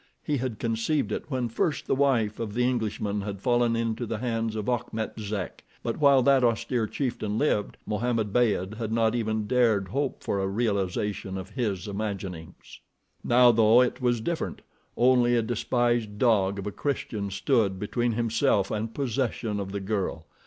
He had conceived it when first the wife of the Englishman had fallen into the hands of Achmet Zek; but while that austere chieftain lived, Mohammed Beyd had not even dared hope for a realization of his imaginings. Now, though, it was different—only a despised dog of a Christian stood between himself and possession of the girl.